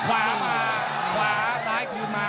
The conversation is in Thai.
คว้ามาคว้า